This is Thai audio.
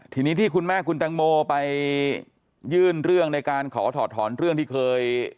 ทีนี้ที่คุณแม่คุณตังโมไปยื่นเรื่องในการขอถอดถอนเรื่องที่เคย